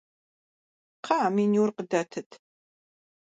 Кхъыӏэ, менюр къыдэтыт!